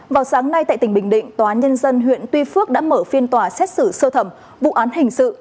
vào sáng nay tại tỉnh bình định tòa nhân dân huyện tuy phước đã mở phiên tòa xét xử sơ thẩm vụ án hình sự